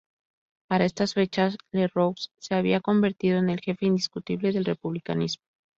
Para estas fechas Lerroux se había convertido en el jefe indiscutible del republicanismo.